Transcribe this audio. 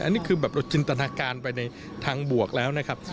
อันนี้คือแบบเราจินตนาการไปในทางบวกแล้วนะครับ